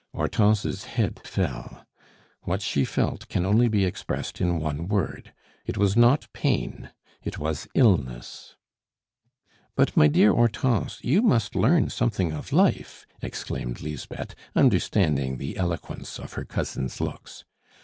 Hortense's head fell. What she felt can only be expressed in one word; it was not pain; it was illness. "But, my dear Hortense, you must learn something of life!" exclaimed Lisbeth, understanding the eloquence of her cousin's looks.